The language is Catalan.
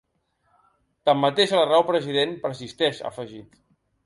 Tanmateix, la raó, president, persisteix, ha afegit.